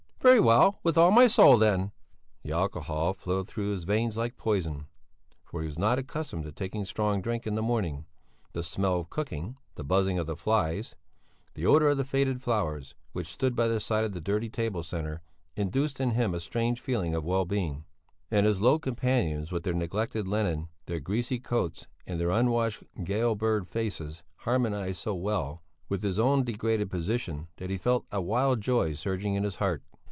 "Very well, with all my soul, then!" The alcohol flowed through his veins like poison, for he was not accustomed to take strong drink in the morning; the smell of cooking, the buzzing of the flies, the odour of the faded flowers, which stood by the side of the dirty table centre, induced in him a strange feeling of well being. And his low companions with their neglected linen, their greasy coats, and their unwashed gaol bird faces harmonized so well with his own degraded position, that he felt a wild joy surging in his heart.